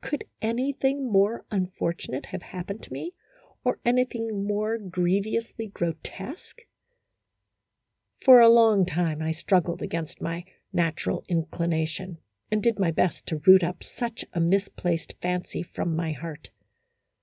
Could anything more unfortunate have happened to me, or anything more grievously grotesque ? For a long time I struggled against my natural in clination, and did my best to root up such a mis placed fancy from my heart.